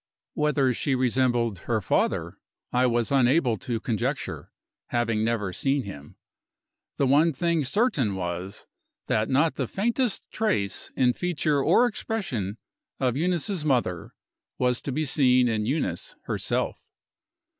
Whether she resembled her father, I was unable to conjecture having never seen him. The one thing certain was, that not the faintest trace, in feature or expression, of Eunice's mother was to be seen in Eunice herself.